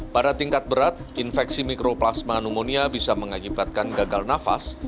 pada tingkat berat infeksi mikroplasma pneumonia bisa mengakibatkan gagal nafas